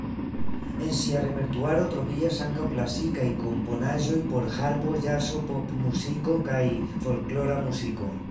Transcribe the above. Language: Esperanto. En ŝia repertuaro troviĝas ankaŭ klasikaj komponaĵoj por harpo, ĵazo, popmuziko kaj folklora muziko.